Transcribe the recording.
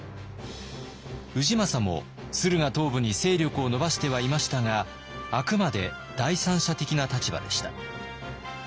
氏政も駿河東部に勢力を伸ばしてはいましたがあくまで第三者的な立場でした。